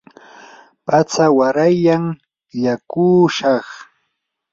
patsa warayllam illakushaq.